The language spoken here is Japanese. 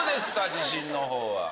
自信の方は。